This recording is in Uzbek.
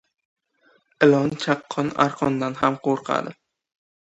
• Ilon chaqqan arqondan ham qo‘rqadi.